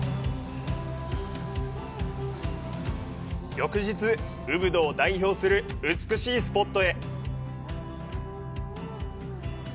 翌日、ウブドを代表する美しいスポットへ。